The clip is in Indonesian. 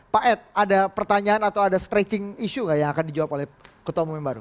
pak ed ada pertanyaan atau ada stretching issue gak yang akan dijawab oleh ketua umum yang baru